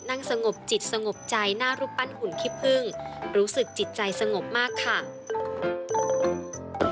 นั่งสงบจิตสงบใจหน้ารูปปั้นหุ่นขี้พึ่งรู้สึกจิตใจสงบมากค่ะ